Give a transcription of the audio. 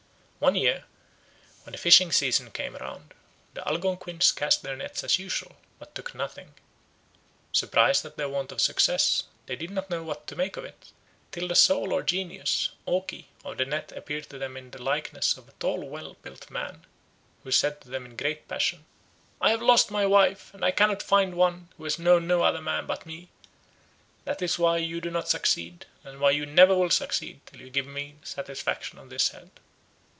One year, when the fishing season came round, the Algonquins cast their nets as usual, but took nothing. Surprised at their want of success, they did not know what to make of it, till the soul or genius (oki) of the net appeared to them in the likeness of a tall well built man, who said to them in a great passion, "I have lost my wife and I cannot find one who has known no other man but me; that is why you do not succeed, and why you never will succeed till you give me satisfaction on this head."